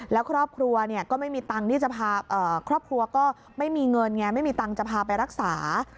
แล้วครอบครัวเนี่ยก็ไม่มีเงินไงไม่มีตังค์จะพาไปรักษา